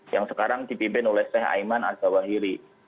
yang sekarang dipimpin oleh steh aiman azawahiri